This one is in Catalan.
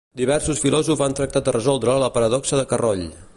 Diversos filòsofs han tractat de resoldre la paradoxa de Carroll.